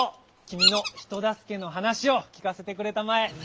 きみのひとだすけのはなしをきかせてくれたまえ。